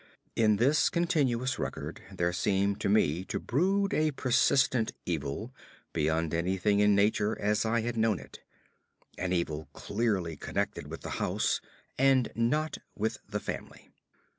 In this continuous record there seemed to me to brood a persistent evil beyond anything in nature as I had known it; an evil clearly connected with the house and not with the family.